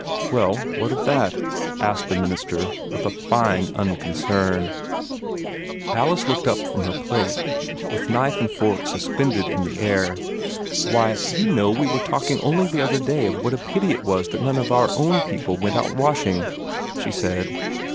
"Well, what of THAT?" asked the minister, with a fine unconcern. Alice looked up from her plate, with knife and fork suspended in air. "Why, you know we were talking only the other day of what a pity it was that none of our own people went out washing," she said.